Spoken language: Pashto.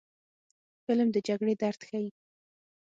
فلم د جګړې درد ښيي